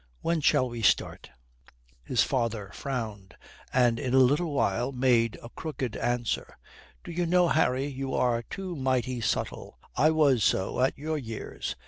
When shall we start?" His father frowned, and in a little while made a crooked answer, "Do you know, Harry, you are too mighty subtle. I was so at your years.